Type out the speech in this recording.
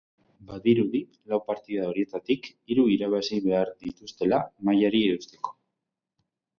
Badirudi lau partida horietatik hiru irabazi behar dituztela mailari eusteko.